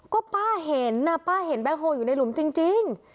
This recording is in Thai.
ก็ป้าเห็นนะป้าเห็นแบ็คโฮลอยู่ในหลุมจริง